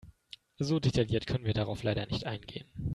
So detailliert können wir darauf leider nicht eingehen.